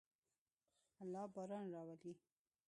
الله باران راولي.